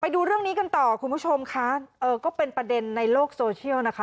ดูเรื่องนี้กันต่อคุณผู้ชมค่ะเออก็เป็นประเด็นในโลกโซเชียลนะคะ